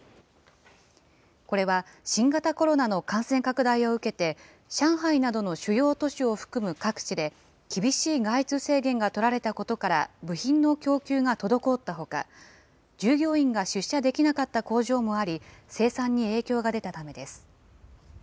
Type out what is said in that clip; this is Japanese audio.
これは新型コロナの感染拡大を受けて、上海などの主要都市を含む各地で、厳しい外出制限が取られたことから部品の供給が滞ったほか、従業員が出社できなかった工場もあり、生産に影響が出たためです。